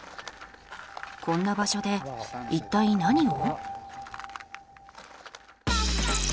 こんな場所で一体何を？